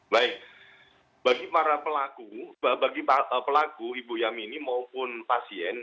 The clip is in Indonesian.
baik bagi para pelaku ibu yamini maupun pasien